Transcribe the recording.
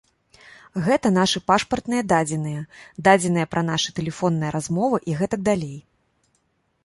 Гэта нашы пашпартныя дадзеныя, дадзеныя пра нашы тэлефонныя размовы і гэтак далей.